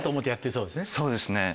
そうですね。